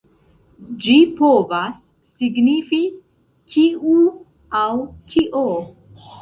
Ĝi povas signifi „kiu“ aŭ „kio“.